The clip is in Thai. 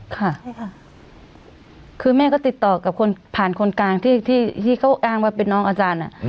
ค่ะคือแม่ก็ติดต่อกับคนผ่านคนกลางที่เขาอ้างว่าเป็นน้องอาจารย์